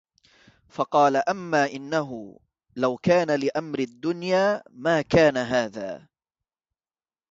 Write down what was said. فَقَالَ أَمَّا إنَّهُ لَوْ كَانَ لِأَمْرِ الدُّنْيَا مَا كَانَ هَذَا